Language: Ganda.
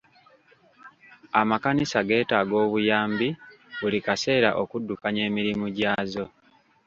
Amakanisa geetaaga obuyambi buli kaseera okuddukanya emirimu gyazo.